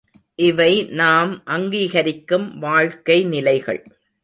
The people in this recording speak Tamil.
இவை நாம் அங்கீகரிக்கும் வாழ்க்கை நிலைகள்.